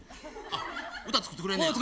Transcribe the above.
あっ歌作ってくれんねや。